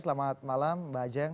selamat malam mbak ajeng